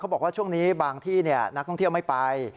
บอกว่าช่วงนี้บางที่นักท่องเที่ยวไม่ไป